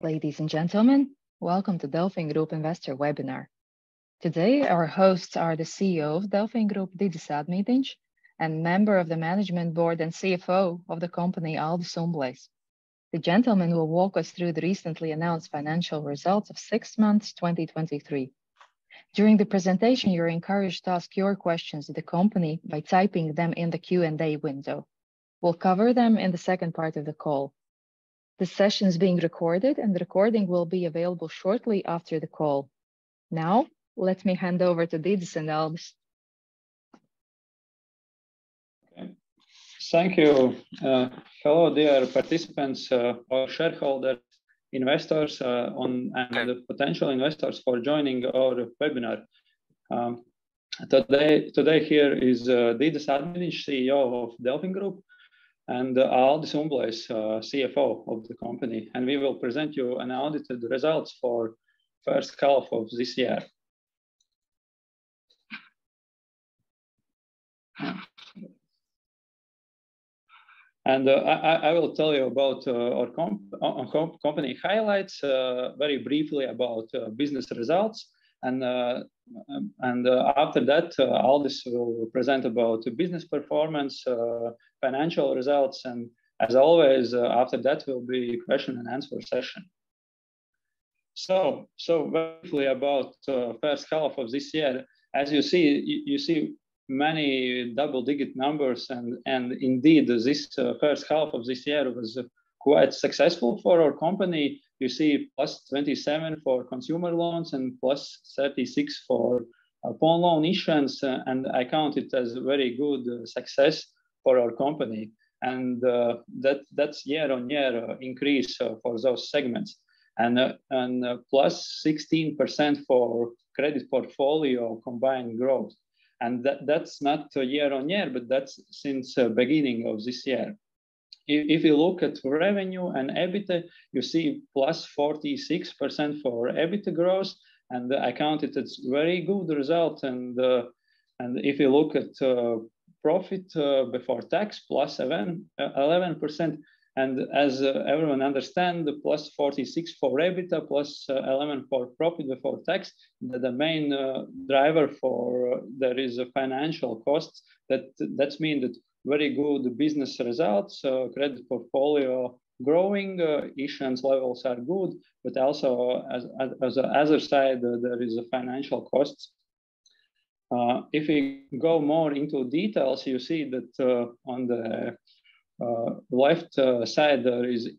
Ladies and gentlemen, welcome to DelfinGroup Investor Webinar. Today, our hosts are the CEO of DelfinGroup, Didzis Ādmīdiņš, and Member of the Management Board and CFO of the company, Aldis Umblejs. The gentleman will walk us through the recently announced financial results of six months, 2023. During the presentation, you're encouraged to ask your questions to the company by typing them in the Q&A window. We'll cover them in the second part of the call. The session is being recorded, and the recording will be available shortly after the call. Let me hand over to Didzis and Aldis. Thank you. Hello, dear participants, our shareholders, investors, on- and the potential investors for joining our webinar. Today, today here is Didzis Ādmīdiņš, CEO of DelfinGroup, and Aldis Umblejs, CFO of the company, and we will present you an audited results for first half of this year. I, I, I will tell you about our company highlights, very briefly about business results. And after that, Aldis will present about business performance, financial results, and as always, after that will be question-and-answer session. So briefly about first half of this year. As you see, you see many double-digit numbers, and, and indeed, this first half of this year was quite successful for our company. You see, +27% for consumer loans and +36% for upfront loan issuance, and I count it as very good success for our company. That, that's year-on-year increase for those segments. +16% for credit portfolio combined growth, and that's not year-on-year, but that's since beginning of this year. If you look at revenue and EBITDA, you see +46% for EBITDA growth, and I count it as very good result. If you look at profit before tax, +11%, and as everyone understand, the +46% for EBITDA, +11% for profit before tax, the main driver for there is a financial costs. That, that mean that very good business results, so credit portfolio growing, issuance levels are good, but also as, as, as a side, there is a financial costs. If we go more into details, you see that on the left side, there is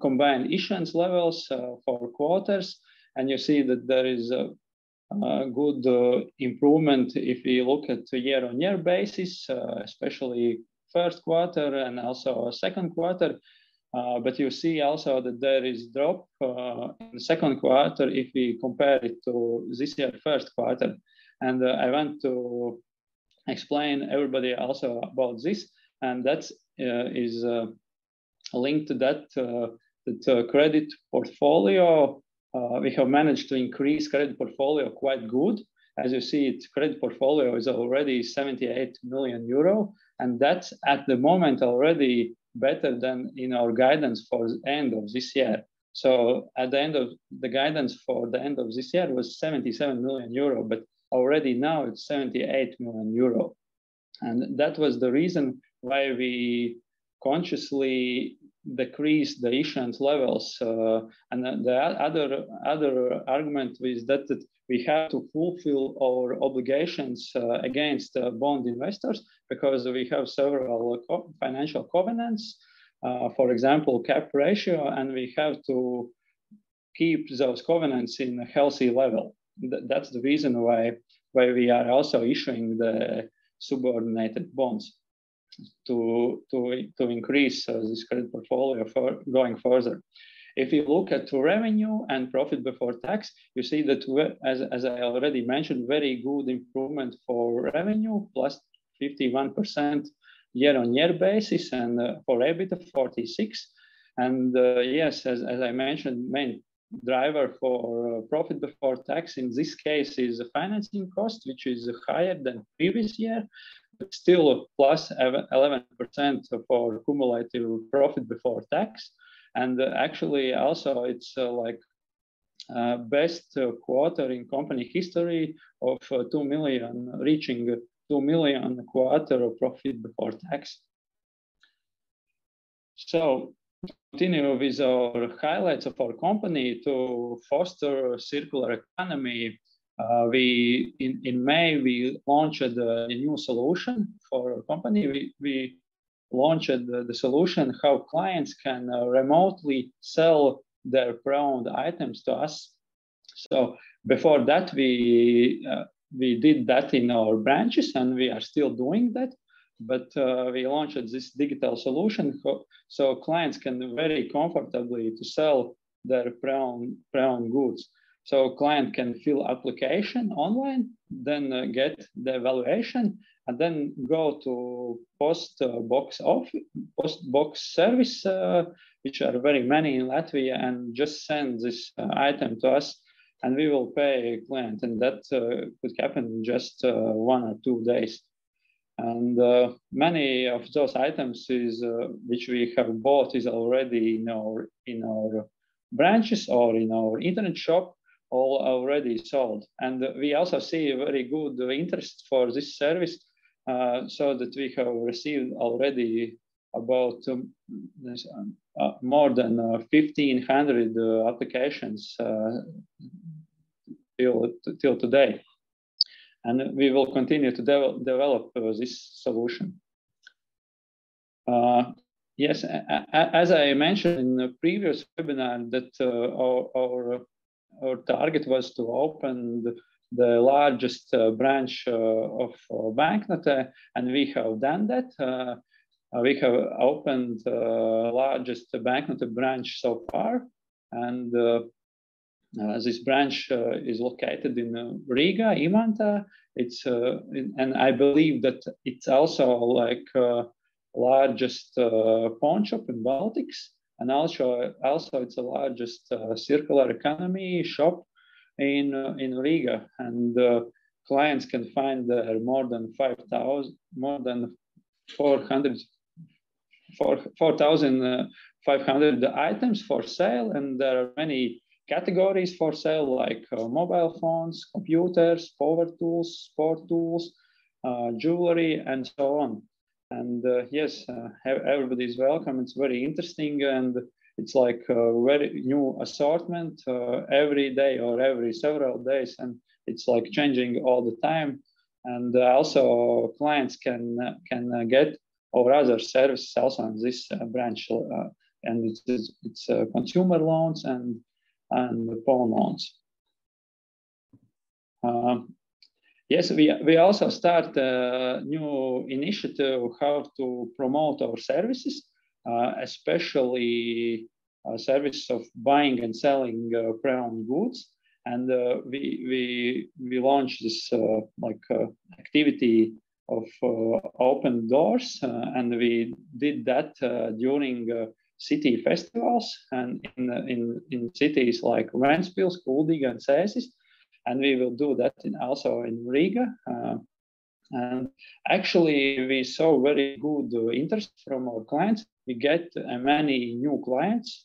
combined issuance levels for quarters, and you see that there is a good improvement if you look at the year-over-year basis, especially first quarter and also our second quarter. But you see also that there is drop in the second quarter if we compare it to this year first quarter. I want to explain everybody also about this, and that is linked to that the credit portfolio. We have managed to increase credit portfolio quite good. As you see, its credit portfolio is already 78 million euro, and that's at the moment already better than in our guidance for the end of this year. At the end of the guidance for the end of this year was 77 million euro, already now it's 78 million euro. That was the reason why we consciously decreased the issuance levels. The other argument is that we have to fulfill our obligations against bond investors, because we have several financial covenants, for example, cap ratio, and we have to keep those covenants in a healthy level. That's the reason why we are also issuing the subordinated bonds to increase this credit portfolio for going further. If you look at revenue and profit before tax, you see that as I already mentioned, very good improvement for revenue, +51% year-on-year basis, and for EBITDA, 46%. Yes, as I mentioned, main driver for profit before tax in this case is the financing cost, which is higher than previous year, but still +11% for cumulative profit before tax. Actually, also, it's like best quarter in company history of 2 million, reaching 2 million quarter of profit before tax. To continue with our highlights of our company, to foster circular economy, we in May, we launched a new solution for our company. We launched the solution, how clients can remotely sell their pre-owned items to us. Before that, we did that in our branches, and we are still doing that, but we launched this digital solution so clients can very comfortably to sell their pre-owned, pre-owned goods. Client can fill application online, then get the evaluation, and then go to post box service, which are very many in Latvia, and just send this item to us, and we will pay client, and that could happen in just 1 or 2 days. Many of those items is which we have bought, is already in our, in our branches or in our internet shop, all already sold. We also see a very good interest for this service, so that we have received already about more than 1,500 applications till, till today. We will continue to develop this solution. Yes, as I mentioned in the previous webinar, that our target was to open the largest branch of Banknote, and we have done that. We have opened largest Banknote branch so far, and this branch is located in Riga, Imanta. It's... I believe that it's also like largest pawn shop in Baltics, and also it's the largest circular economy shop in Riga. Clients can find there are more than 4,500 items for sale, and there are many categories for sale, like mobile phones, computers, power tools, sport tools, jewelry, and so on. Yes, everybody is welcome. It's very interesting, and it's like a very new assortment, every day or every several days, and it's, like, changing all the time. Also, clients can get our other services also in this branch, and it's, it's consumer loans and pawn loans. Yes, we, we also start new initiative, how to promote our services, especially service of buying and selling pre-owned goods. We, we, we launched this, like, activity of open doors, and we did that during city festivals and in cities like Ventspils, Kuldīga, and Cēsis, and we will do that in also in Riga. Actually, we saw very good interest from our clients. We get many new clients,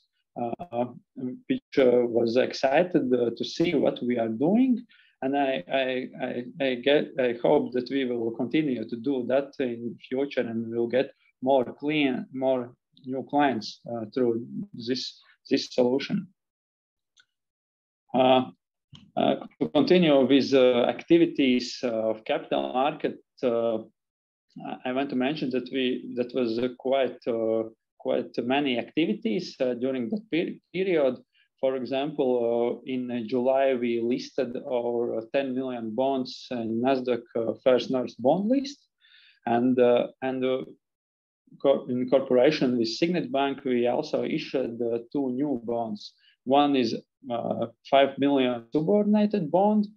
which was excited to see what we are doing. And I hope that we will continue to do that in future, and we'll get more new clients through this, this solution. To continue with activities of capital market, I, I want to mention that we... That was quite many activities during that period. For example, in July, we listed our 10 million bonds in Nasdaq First North Bond List, and, and in corporation with Signet Bank, we also issued 2 new bonds. One is 5 million subordinated bonds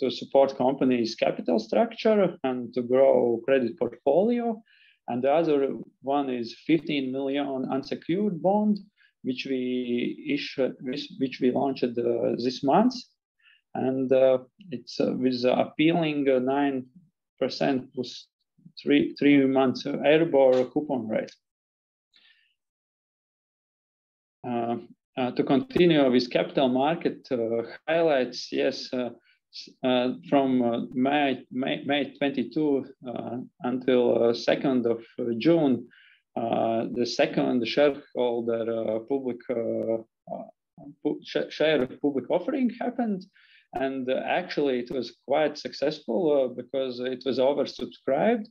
to support company's capital structure and to grow credit portfolio, and the other one is 15 million unsecured bond, which we issued, which we launched this month, and it's with appealing 9% +3 months of EURIBOR coupon rate. To continue with capital market highlights, yes, from May 22 until 2nd of June, the second shareholder public share public offering happened, and actually, it was quite successful because it was oversubscribed,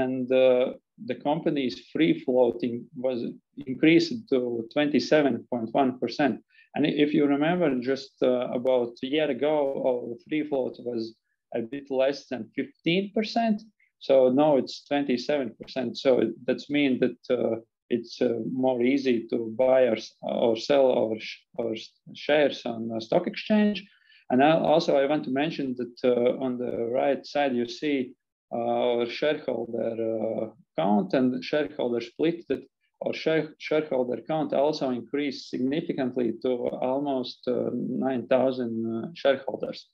and the company's free floating was increased to 27.1%. If you remember, just about a year ago, our free float was a bit less than 15%, so now it's 27%. That mean that it's more easy to buy or sell our shares on the stock exchange. Also, I want to mention that on the right side, you see our shareholder account, and shareholder split, our shareholder account also increased significantly to almost 9,000 shareholders.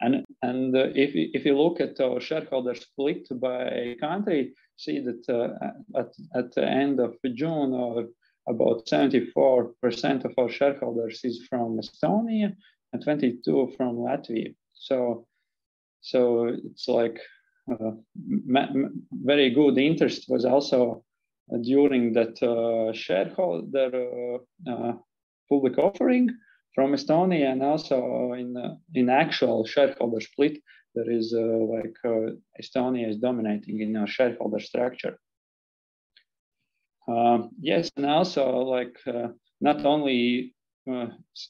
If you look at our shareholder split by country, you see that at the end of June, about 74% of our shareholders is from Estonia and 22% from Latvia. It's like very good interest was also during that shareholder public offering from Estonia and also in actual shareholder split, there is like Estonia is dominating in our shareholder structure. Yes, also, like, not only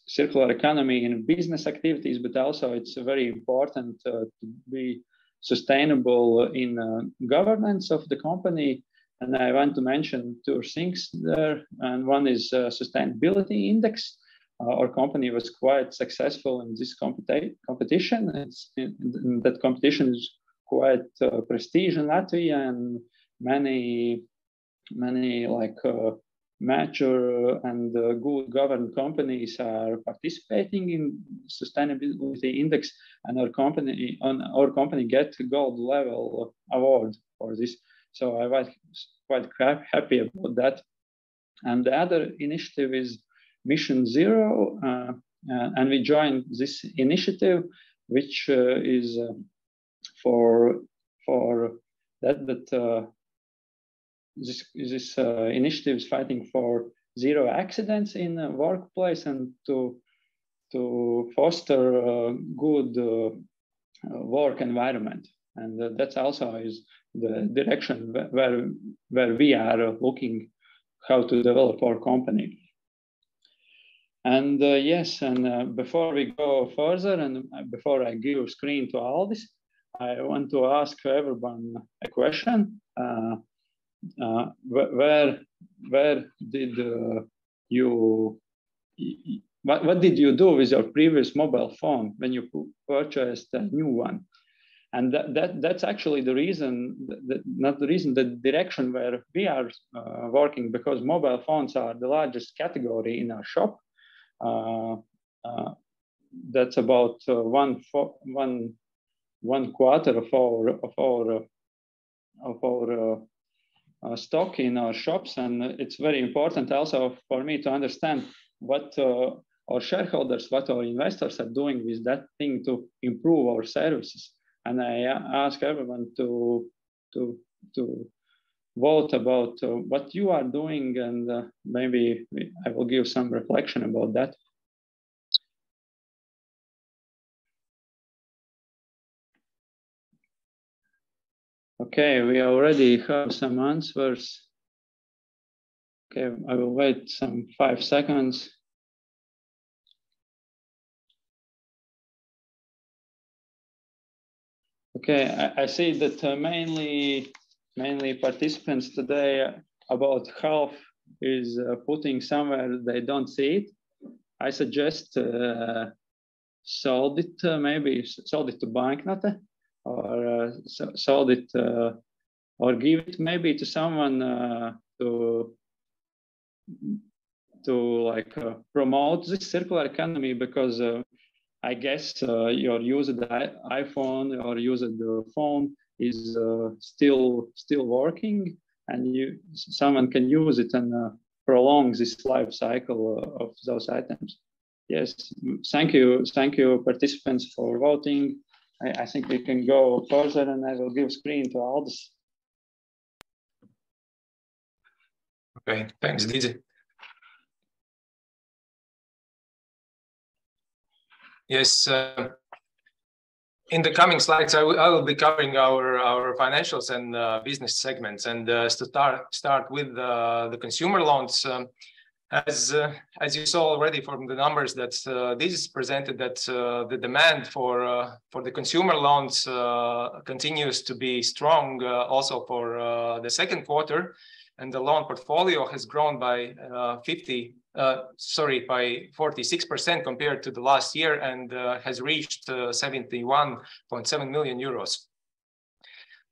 circular economy in business activities, but also it's very important to be sustainable in governance of the company. I want to mention two things there, and one is Sustainability Index. Our company was quite successful in this competition. That competition is quite prestige in Latvia, and many like mature and good governed companies are participating in Sustainability Index, and our company, and our company get gold level award for this. I was quite happy about that. The other initiative is Mission Zero. We joined this initiative, which is for that, that initiative is fighting for zero accidents in the workplace and to foster good work environment. That also is the direction where, where we are looking how to develop our company. Yes, before we go further, and before I give screen to Aldis, I want to ask everyone a question. Where, where did you, what, what did you do with your previous mobile phone when you purchased a new one? That, that, that's actually the reason, the, the... Not the reason, the direction where we are working, because mobile phones are the largest category in our shop. That's about one, one, one quarter of our, of our, of our stock in our shops. It's very important also for me to understand what our shareholders, what our investors are doing with that thing to improve our services. I ask everyone to, to, to vote about what you are doing, and maybe I will give some reflection about that. Okay, we already have some answers. Okay, I will wait some 5 seconds. Okay, I, I see that mainly, mainly participants today, about half is putting somewhere they don't see it. I suggest sell it, maybe sell it to Banknote or sell it or give it maybe to someone to like promote this circular economy, because I guess your used iPhone or used phone is still, still working, and someone can use it and prolong this life cycle of those items. Yes. Thank you. Thank you, participants, for voting. I, I think we can go further, and I will give screen to Aldis. Okay, thanks, Didzis. Yes, in the coming slides, I will be covering our financials and business segments. To start with the consumer loans. As you saw already from the numbers that Didzis presented, the demand for the consumer loans continues to be strong also for the second quarter. The loan portfolio has grown by 46% compared to the last year, and has reached 71.7 million euros.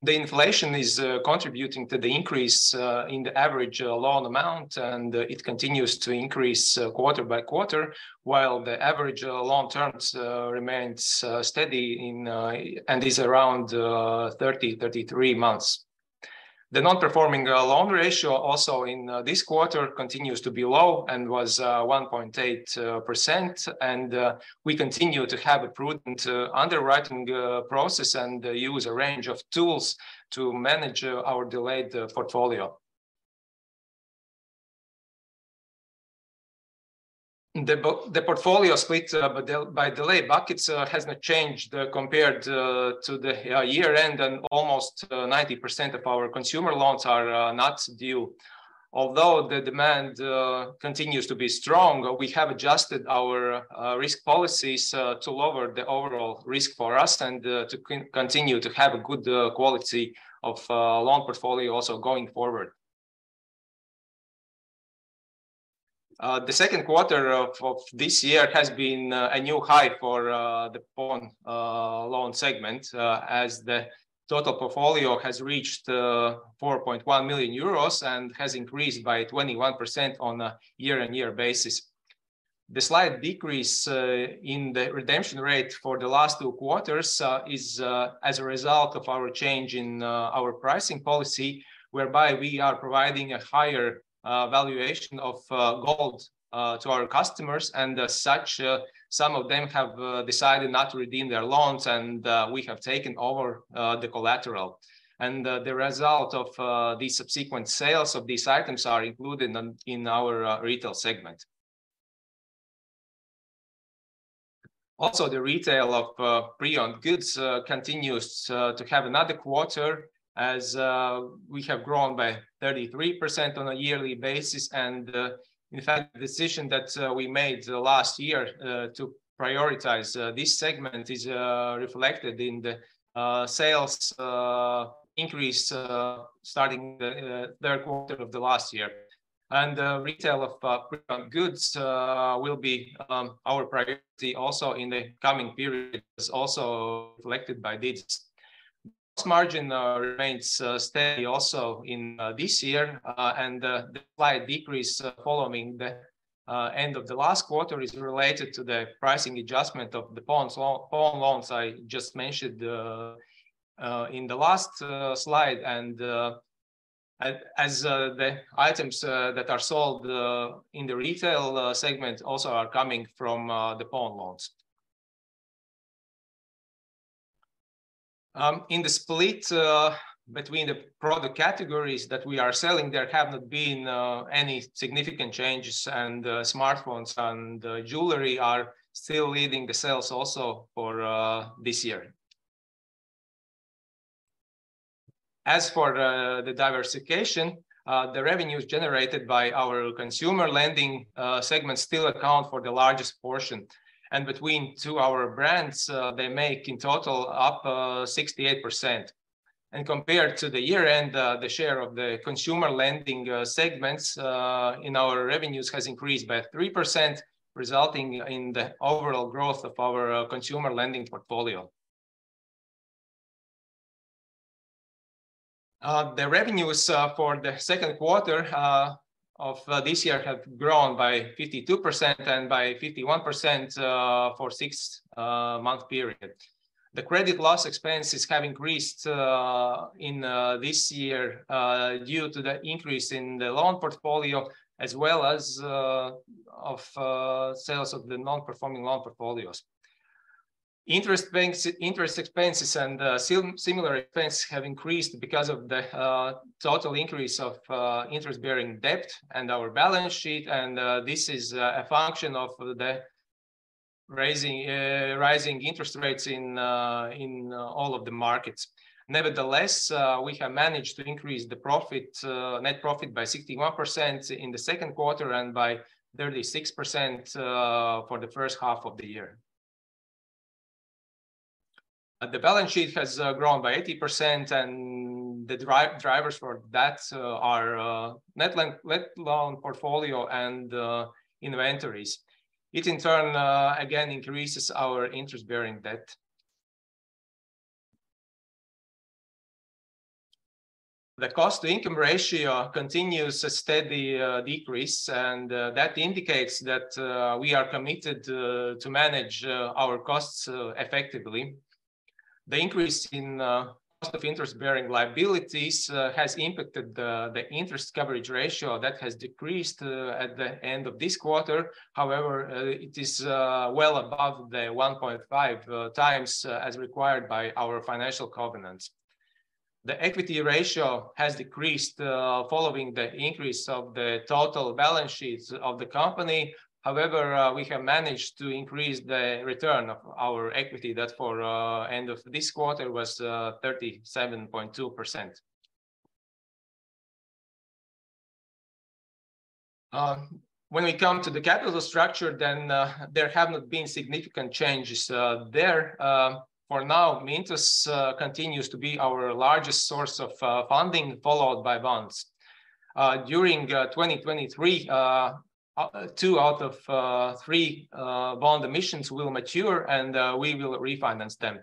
The inflation is contributing to the increase in the average loan amount, and it continues to increase quarter by quarter, while the average loan terms remains steady and is around 30-33 months. The non-performing loan ratio also in this quarter continues to be low and was 1.8%. We continue to have a prudent underwriting process and use a range of tools to manage our delayed portfolio. The portfolio split by delay buckets has not changed compared to the year-end, and almost 90% of our consumer loans are not due. Although the demand continues to be strong, we have adjusted our risk policies to lower the overall risk for us and to continue to have a good quality of loan portfolio also going forward. The second quarter of this year has been a new high for the pawn loan segment as the total portfolio has reached 4.1 million euros and has increased by 21% on a year-on-year basis. The slight decrease in the redemption rate for the last two quarters is as a result of our change in our pricing policy, whereby we are providing a higher valuation of gold to our customers. As such, some of them have decided not to redeem their loans, and we have taken over the collateral. The result of the subsequent sales of these items are included in our retail segment. Also, the retail of pre-owned goods continues to have another quarter as we have grown by 33% on a yearly basis. In fact, the decision that we made last year to prioritize this segment is reflected in the sales increase starting the 3rd quarter of last year. Retail of pre-owned goods will be our priority also in the coming period, as also reflected by this. Gross margin remains steady also in this year, and the slight decrease following the end of the last quarter is related to the pricing adjustment of the pawn loans I just mentioned in the last slide. As the items that are sold in the retail segment also are coming from the pawn loans. In the split between the product categories that we are selling, there have not been any significant changes, and smartphones and jewelry are still leading the sales also for this year. As for the diversification, the revenues generated by our consumer lending segment still account for the largest portion, and between two our brands, they make in total up 68%. Compared to the year-end, the share of the consumer lending segments in our revenues has increased by 3%, resulting in the overall growth of our consumer lending portfolio. The revenues for the second quarter of this year have grown by 52%, and by 51% for 6th month period. The credit loss expenses have increased in this year due to the increase in the loan portfolio, as well as of sales of the non-performing loan portfolios. Interest banks, interest expenses, and similar expenses have increased because of the total increase of interest-bearing debt and our balance sheet, and this is a function of the raising, rising interest rates in all of the markets. Nevertheless, we have managed to increase the profit, net profit by 61% in the second quarter, and by 36% for the first half of the year. The balance sheet has grown by 80%, and the drivers for that are net loan portfolio and inventories. It in turn, again, increases our interest-bearing debt. The cost-to-income ratio continues a steady decrease, and that indicates that we are committed to manage our costs effectively. The increase in cost of interest-bearing liabilities has impacted the interest coverage ratio. That has decreased at the end of this quarter, however, it is well above the 1.5x as required by our financial covenants. The equity ratio has decreased following the increase of the total balance sheets of the company. However, we have managed to increase the return of our equity. That for end of this quarter was 37.2%. When we come to the capital structure, then there have not been significant changes there. For now, Mintos continues to be our largest source of funding, followed by bonds. During 2023, 2 out of 3 bond emissions will mature, and we will refinance them.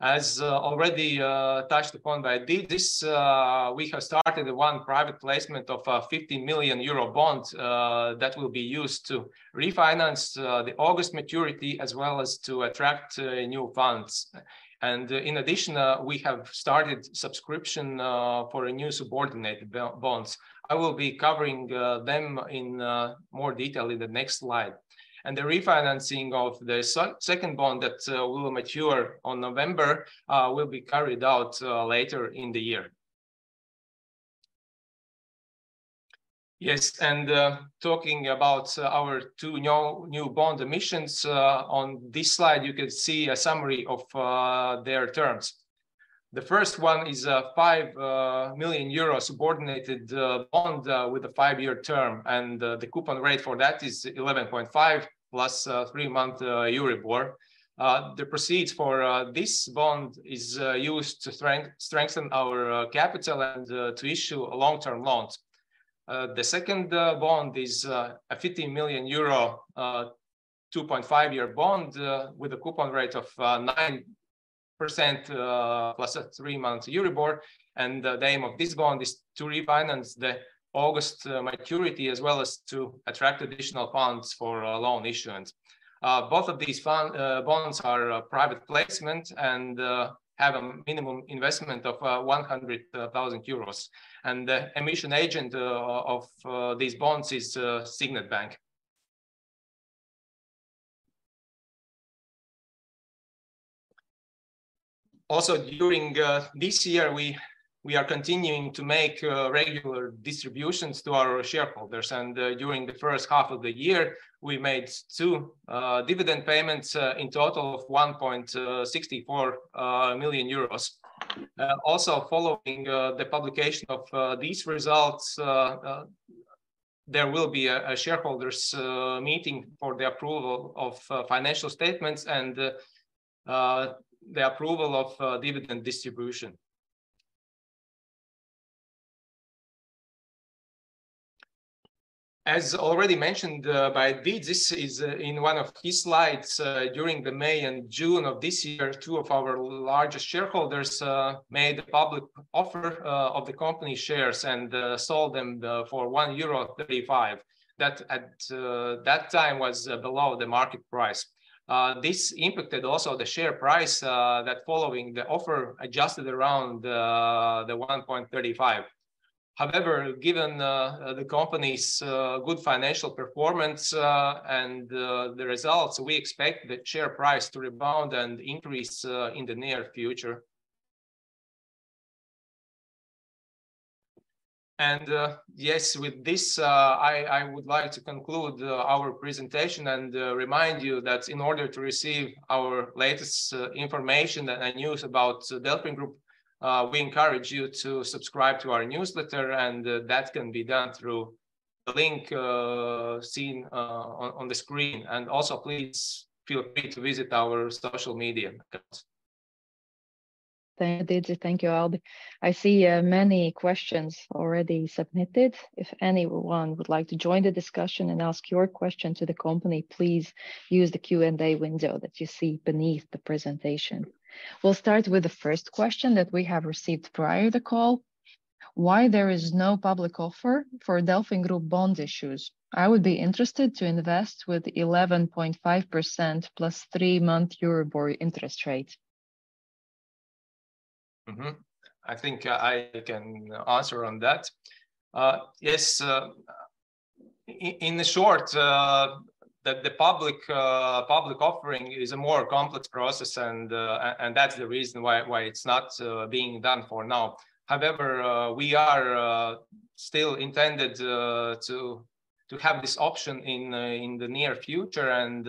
As already touched upon by this, we have started one private placement of 50 million euro bonds that will be used to refinance the August maturity, as well as to attract new funds. In addition, we have started subscription for a new subordinate bonds. I will be covering them in more detail in the next slide. The refinancing of the second bond that will mature on November will be carried out later in the year. Talking about our two new bond emissions, on this slide, you can see a summary of their terms. The first one is a 5 million euro subordinated bond with a 5-year term, and the coupon rate for that is 11.5, +3-month EURIBOR. The proceeds for this bond is used to strengthen our capital and to issue long-term loans. a 50 million euro, 2.5-year bond with a coupon rate of 9% +3-month EURIBOR, and the aim of this bond is to refinance the August maturity, as well as to attract additional funds for loan issuance. Both of these bonds are private placement and have a minimum investment of 100,000 euros, and the emission agent of these bonds is Signet Bank. Also, during this year, we are continuing to make regular distributions to our shareholders. During the first half of the year, we made two dividend payments in total of 1.64 million euros. Also, following the publication of these results, there will be a shareholders' meeting for the approval of financial statements, and the approval of dividend distribution. As already mentioned by Didzis, this is in one of his slides, during the May and June of this year, two of our largest shareholders made a public offer of the company shares and sold them for 1.35 euro. That at that time was below the market price. This impacted also the share price that following the offer, adjusted around the 1.35. However, given the company's good financial performance and the results, we expect the share price to rebound and increase in the near future. Yes, with this, I, I would like to conclude our presentation and remind you that in order to receive our latest information and news about DelfinGroup, we encourage you to subscribe to our newsletter, and that can be done through the link seen on the screen. Also, please feel free to visit our social media accounts. Thank you, Didzis. Thank you, Aldis. I see many questions already submitted. If anyone would like to join the discussion and ask your question to the company, please use the Q&A window that you see beneath the presentation. We'll start with the first question that we have received prior the call. Why there is no public offer for DelfinGroup bond issues? I would be interested to invest with 11.5% +3-month EURIBOR interest rate. I think I can answer on that. Yes, in the short, the, the public, public offering is a more complex process, and that's the reason why, why it's not being done for now. However, we are still intended to, to have this option in the near future, and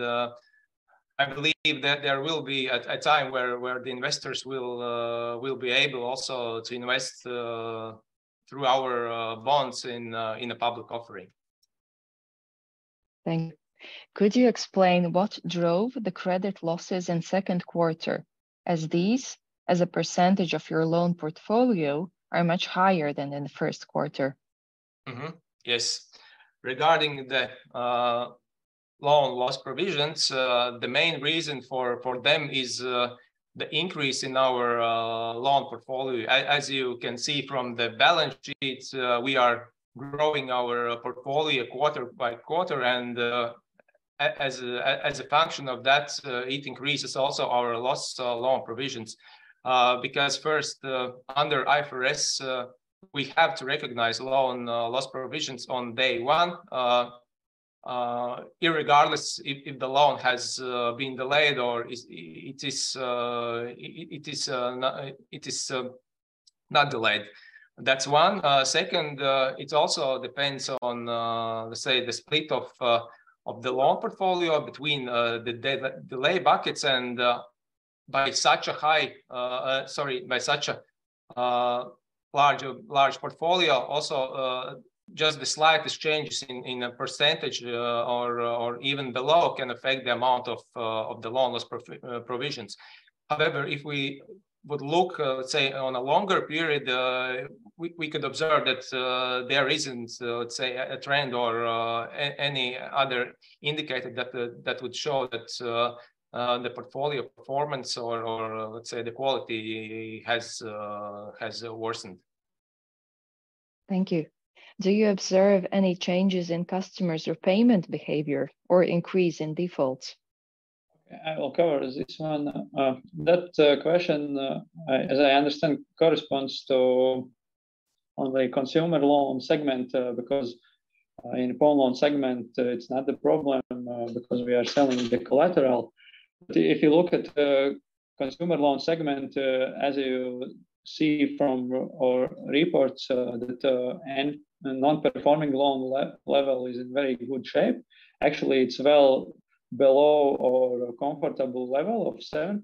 I believe that there will be a, a time where, where the investors will be able also to invest through our bonds in a public offering. Thank you. Could you explain what drove the credit losses in second quarter, as these, as a % of your loan portfolio, are much higher than in the first quarter? Yes. Regarding the loan loss provisions, the main reason for them is the increase in our loan portfolio. As you can see from the balance sheets, we are growing our portfolio quarter by quarter, and as a function of that, it increases also our loss loan provisions. Because first, under IFRS, we have to recognize loan loss provisions on day one, irregardless if the loan has been delayed or is it is not, it is not delayed. That's one. Second, it also depends on, let's say, the split of the loan portfolio between the delay buckets and by such a high... Sorry, by such a large, large portfolio. Also, just the slightest changes in, in a percentage, or, or even below, can affect the amount of the loan loss provisions. However, if we would look, let's say, on a longer period, we, we could observe that, there isn't, let's say, a, a trend or any other indicator that, that would show that, the portfolio performance or, or, let's say, the quality has, has worsened. Thank you. Do you observe any changes in customers' repayment behavior or increase in defaults? I will cover this one. That question, as I understand, corresponds to only consumer loan segment because in loan segment it's not a problem because we are selling the collateral. If you look at the consumer loan segment, as you see from our reports, that non-performing loan level is in very good shape. Actually, it's well below our comfortable level of 7%.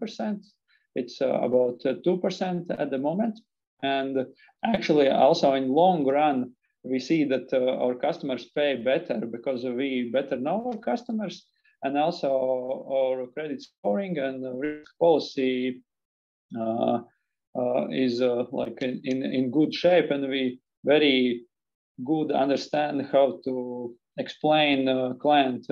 It's about 2% at the moment, and actually, also in long run, we see that our customers pay better, because we better know our customers, and also our credit scoring and risk policy is like in good shape. We very good understand how to explain client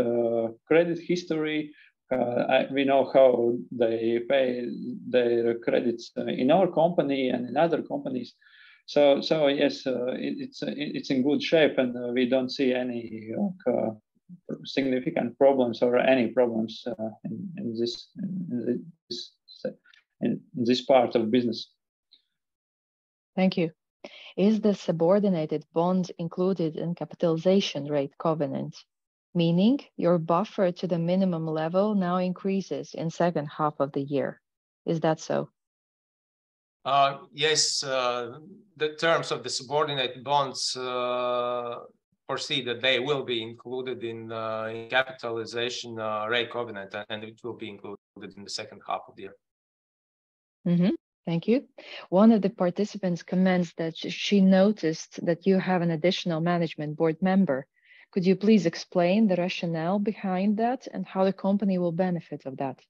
credit history. We know how they pay their credits, in our company and in other companies. So yes, it's in good shape, and we don't see any significant problems or any problems, in this part of business. Thank you. Is the subordinated bonds included in capitalization rate covenant, meaning your buffer to the minimum level now increases in second half of the year? Is that so? Yes. The terms of the subordinate bonds foresee that they will be included in capitalization rate covenant, and it will be included in the second half of the year. Mm-hmm. Thank you. One of the participants comments that she noticed that you have an additional management board member. Could you please explain the rationale behind that, and how the company will benefit of that?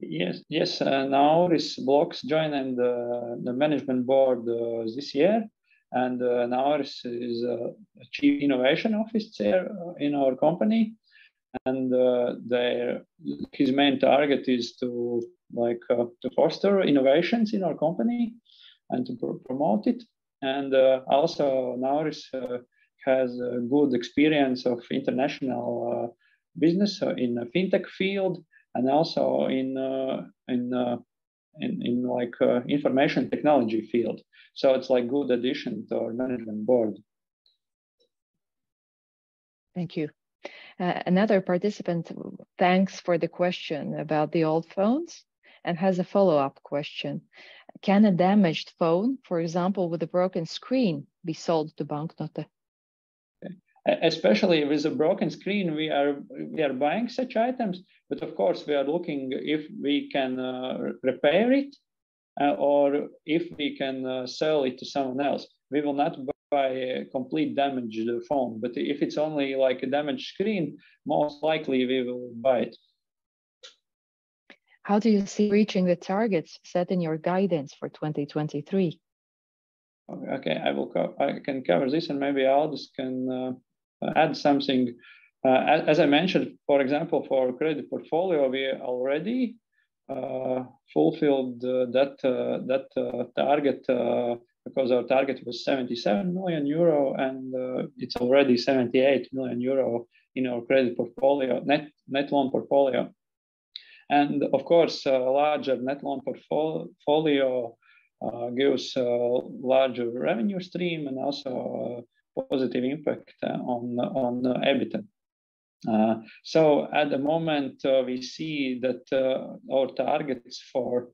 Yes, yes, Nauris Bloks joining the, the Management Board this year. Nauris is, is Chief Innovation Officer in our company, and his main target is to like to foster innovations in our company and to promote it. Also now he's has a good experience of international business in the fintech field, and also in in in like information technology field. It's like good addition to our Management Board. Thank you. Another participant thanks for the question about the old phones, and has a follow-up question: Can a damaged phone, for example, with a broken screen, be sold to Banknote? Especially with a broken screen, we are, we are buying such items, but of course, we are looking if we can repair it, or if we can sell it to someone else. We will not buy a complete damaged phone, but if it's only, like, a damaged screen, most likely we will buy it. How do you see reaching the targets set in your guidance for 2023? Okay, I can cover this, and maybe Aldis can add something. As I mentioned, for example, for our credit portfolio, we already fulfilled that target, because our target was 77 million euro, and it's already 78 million euro in our credit portfolio, net, net loan portfolio. Of course, a larger net loan portfolio gives a larger revenue stream, and also a positive impact on EBITDA. At the moment, we see that our targets for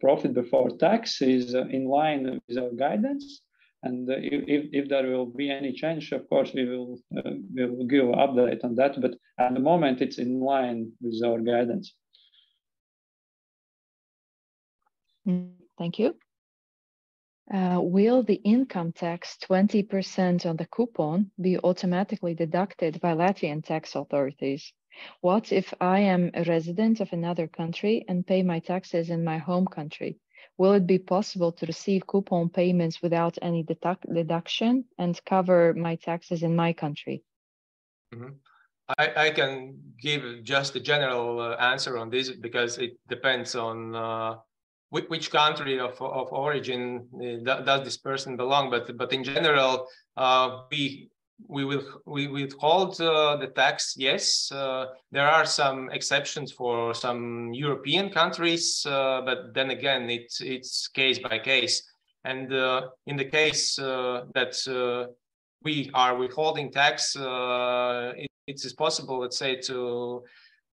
profit before tax is in line with our guidance. If there will be any change, of course, we will give update on that, but at the moment, it's in line with our guidance. Thank you. Will the income tax 20% on the coupon be automatically deducted by Latvian tax authorities? What if I am a resident of another country and pay my taxes in my home country, will it be possible to receive coupon payments without any deduction and cover my taxes in my country? I, I can give just a general answer on this, because it depends on whi- which country of origin do- does this person belong. In general, we, we will... We withhold the tax, yes. There are some exceptions for some European countries, then again, it's, it's case by case. In the case that we are withholding tax, it is possible, let's say,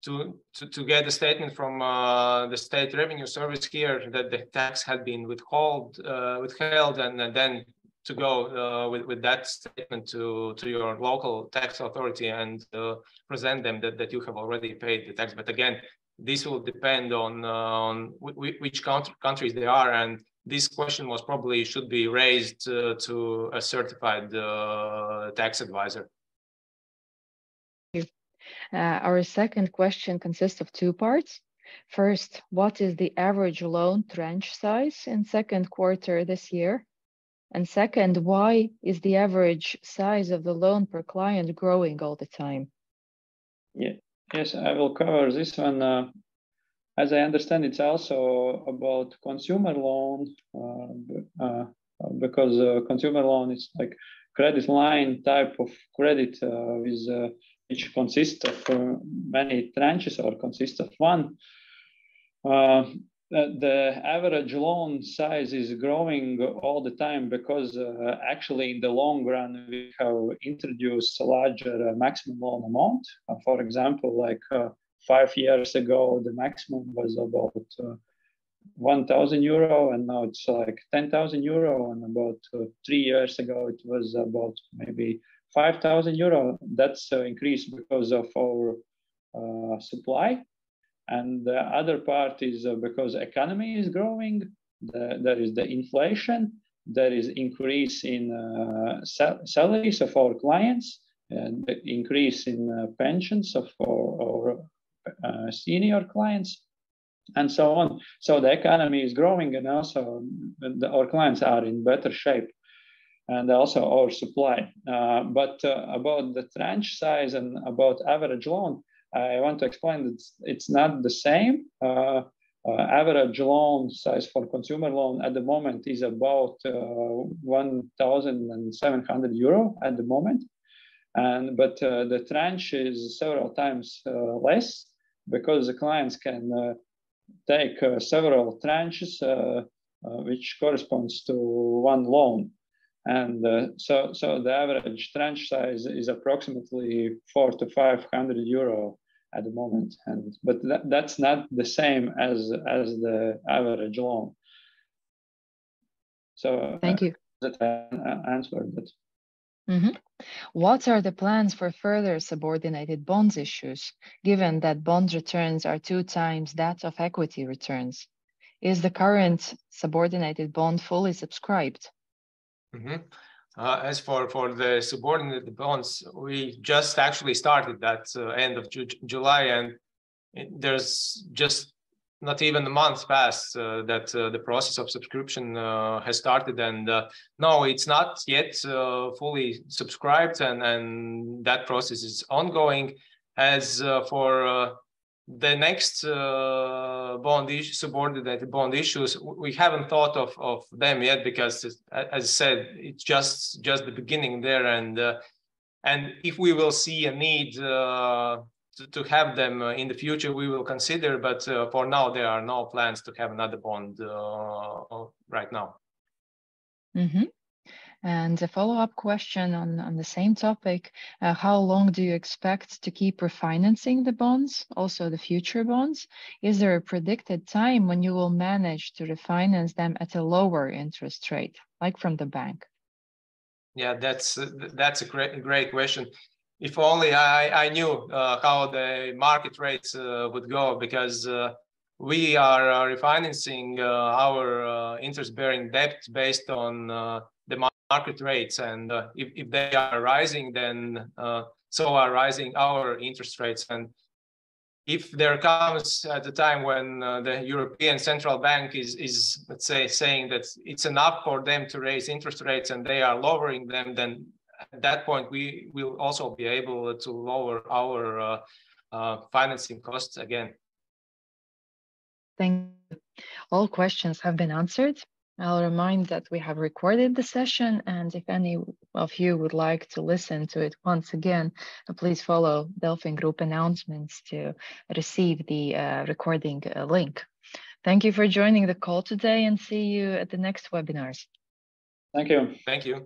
to, to, to, to get a statement from the State Revenue Service here, that the tax had been withheld, withheld, then, then to go with, with that statement to, to your local tax authority and present them that, that you have already paid the tax. Again, this will depend on, on which countries they are, and this question was probably should be raised to a certified tax advisor. Our second question consists of two parts. First, what is the average loan tranche size in second quarter this year? Second, why is the average size of the loan per client growing all the time? Yeah. Yes, I will cover this one. As I understand, it's also about consumer loans because consumer loan is like credit line type of credit, which consists of many tranches or consists of one. The average loan size is growing all the time because actually, in the long run, we have introduced a larger maximum loan amount. For example, like, five years ago, the maximum was about 1,000 euro, and now it's like 10,000 euro, and about three years ago, it was about maybe 5,000 euro. That's increased because of our supply, and the other part is because the economy is growing. There is the inflation, there is increase in salaries of our clients, and increase in pensions of our senior clients, and so on. The economy is growing, and also, our clients are in better shape, and also our supply. About the tranche size and about average loan, I want to explain, it's not the same. Average loan size for consumer loan at the moment is about 1,700 euro at the moment, the tranche is several times less, because the clients can take several tranches which corresponds to one loan. The average tranche size is approximately 400-500 euro at the moment, that's not the same as the average loan. Thank you. That answered it. Mm-hmm. What are the plans for further subordinated bonds issues, given that bonds returns are 2x that of equity returns? Is the current subordinated bond fully subscribed? Mm-hmm. As for, for the subordinated bonds, we just actually started that, end of July, and there's just not even a month passed, that, the process of subscription, has started. No, it's not yet, fully subscribed, and, and that process is ongoing. As for, the next, bond issue, subordinated bond issues, we haven't thought of, of them yet, because as, as I said, it's just, just the beginning there. If we will see a need, to, to have them, in the future, we will consider. For now, there are no plans to have another bond, right now. A follow-up question on, on the same topic: how long do you expect to keep refinancing the bonds, also the future bonds? Is there a predicted time when you will manage to refinance them at a lower interest rate, like from the bank? Yeah, that's, that's a great, great question. If only I, I knew how the market rates would go. Because we are refinancing our interest-bearing debt based on the market rates. If, if they are rising, then so are rising our interest rates. If there comes at a time when the European Central Bank is, is, let's say, saying that it's enough for them to raise interest rates, and they are lowering them, then at that point, we will also be able to lower our financing costs again. Thank you. All questions have been answered. I'll remind that we have recorded the session, and if any of you would like to listen to it once again, please follow DelfinGroup announcements to receive the recording link. Thank you for joining the call today, and see you at the next webinars. Thank you. Thank you.